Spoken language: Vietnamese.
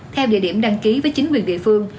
theo địa điểm đăng ký với chính quyền địa phương